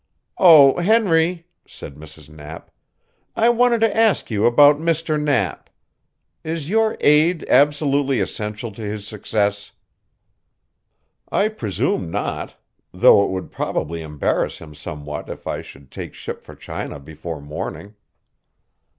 "Oh, Henry," said Mrs. Knapp, "I wanted to ask you about Mr. Knapp. Is your aid absolutely essential to his success?" "I presume not, thought it would probably embarrass him somewhat if I should take ship for China before morning."